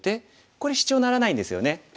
これシチョウならないんですよね。